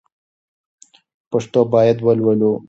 پښتو باید ولولو